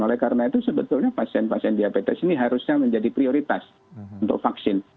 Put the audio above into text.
oleh karena itu sebetulnya pasien pasien diabetes ini harusnya menjadi prioritas untuk vaksin